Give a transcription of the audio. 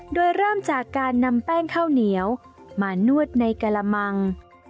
โดยเริ่มจากการนำแป้งข้าวเหนียวมานวดในกระมัง